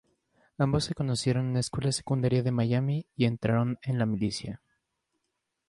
Ambos se conocieron en una escuela secundaria de Miami, y entraron en la milicia.